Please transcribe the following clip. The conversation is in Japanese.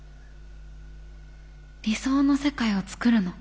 理想の世界を創るの。